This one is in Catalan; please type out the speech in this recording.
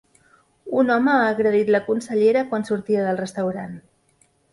Un home ha agredit la consellera quan sortia del restaurant.